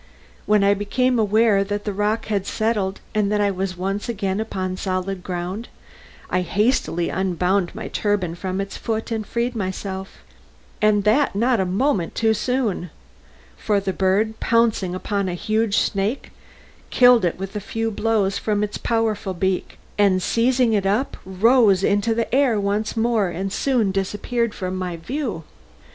When I became aware that the roc had settled and that I was once again upon solid ground, I hastily unbound my turban from its foot and freed myself, and that not a moment too soon; for the bird, pouncing upon a huge snake, killed it with a few blows from its powerful beak, and seizing it up rose into the air once more and soon disappeared from my view.